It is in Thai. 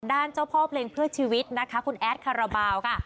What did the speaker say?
เจ้าพ่อเพลงเพื่อชีวิตนะคะคุณแอดคาราบาลค่ะ